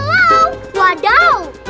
tidak maus lagi